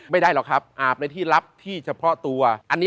ไม่ได้หรอกครับอาบในที่ลับที่เฉพาะตัว